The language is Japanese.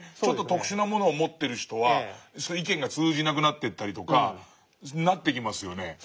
ちょっと特殊なものを持ってる人は意見が通じなくなってったりとかなっていきますよね。